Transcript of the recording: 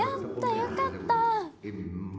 よかった。